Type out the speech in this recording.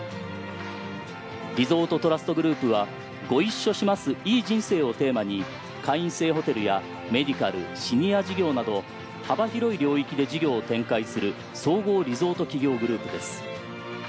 リゾートトラストグループは「ご一緒します、いい人生」をテーマに会員制ホテルやメディカル・シニア事業など幅広い領域で事業を展開する総合リゾート企業グループです。